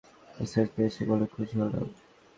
আমার মেসেজ পেয়েছো বলে খুশি হলাম।